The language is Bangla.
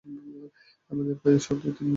আমার পায়ের শব্দে তিনি তাকালেন।